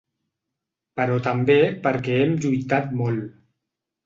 Però també perquè hem lluitat molt.